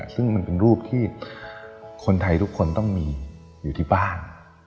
ซึ่งมันเป็นรูปที่คนไทยทุกคนต้องมีอยู่ที่บ้าน